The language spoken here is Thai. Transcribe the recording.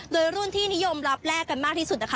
โดยรุ่นที่นิยมรับแลกกันมากที่สุดนะคะ